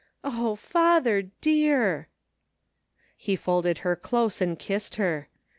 *' Oh, father dear I '* He folded her close and kissed her.